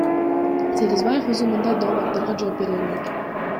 Сегизбаев өзү мындай дооматтарга жооп бере элек.